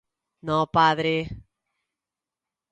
"No padre"."